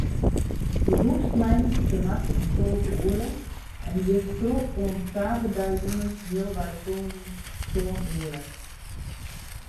Begûnst sneintenachts om tolve oere en giest troch oant saterdeitejûns healwei sânen, sân oere.